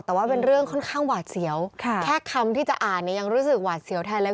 แต่ว่าเป็นเรื่องค่อนข้างหวาดเสียวแค่คำที่จะอ่านเนี่ยยังรู้สึกหวาดเสียวแทนเลย